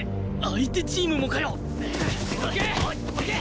相手チームもかよ！どけ！